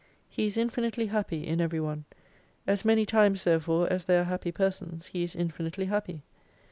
He is infinitely happy in every one : as many times therefore as there are happy persons He is infinitely happy.